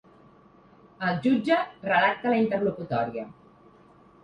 El jutge redacta la interlocutòria.